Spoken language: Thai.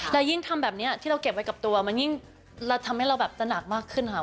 และยิ่งทำแบบนี้ที่เราเก็บไว้กับตัวมันยิ่งเราทำให้เราแบบตระหนักมากขึ้นค่ะ